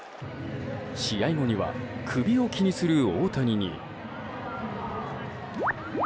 試合後には首を気にする大谷に。